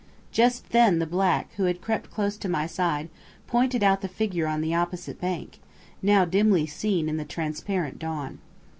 Just then the black, who had crept close to my side, pointed out the figure on the opposite bank, now dimly seen in the transparent dawn.